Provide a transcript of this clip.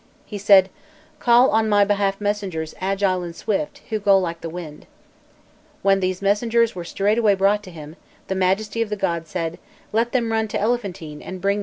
"He said: 'Call on my behalf messengers agile and swift, who go like the wind.' When these messengers were straightway brought to him, the Majesty of the god said: 'Let them run to Elephantine and bring me mandragora in plenty.'"